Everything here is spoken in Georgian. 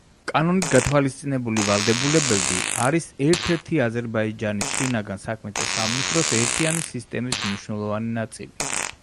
კანონით გათვალისწინებული ვალდებულებები არის ერთ-ერთი აზერბაიჯანის შინაგან საქმეთა სამინისტროს ერთიანი სისტემის მნიშვნელოვანი ნაწილი.